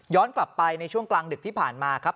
กลับไปในช่วงกลางดึกที่ผ่านมาครับ